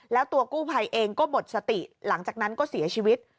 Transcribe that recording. แล้วตัวกู้ภัยเองก็หมดสติหลังจากนั้นก็เสียชีวิต